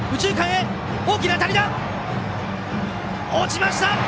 落ちました！